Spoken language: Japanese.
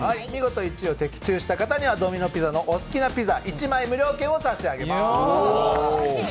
見事１位を的中した方にはドミノ・ピザの中からお好きなピザ１枚無料券を差し上げます。